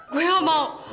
gue nggak mau